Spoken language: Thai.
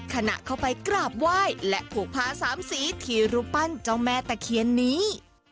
ขณะเข้าไปกราบไหว้และผูกผ้าสามสีที่รูปปั้นเจ้าแม่ตะเคียนนี้